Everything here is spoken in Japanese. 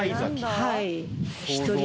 はい。